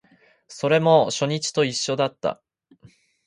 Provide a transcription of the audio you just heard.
それも初日と一緒だった